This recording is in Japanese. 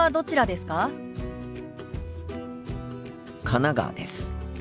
神奈川です。